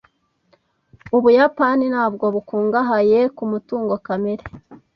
Ubuyapani ntabwo bukungahaye ku mutungo kamere.